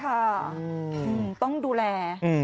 ค่ะต้องดูแล